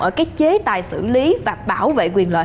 ở cái chế tài xử lý và bảo vệ quyền lợi